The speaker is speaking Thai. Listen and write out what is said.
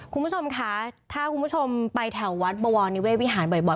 คุณผู้ชมคะถ้าคุณผู้ชมไปแถววัดบวรนิเวศวิหารบ่อย